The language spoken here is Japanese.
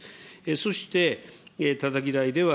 そして、たたき台では、